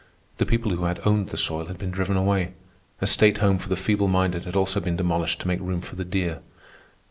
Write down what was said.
The people who had owned the soil had been driven away. A state home for the feeble minded had also been demolished to make room for the deer.